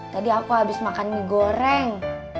tadi aku habis makan mie goreng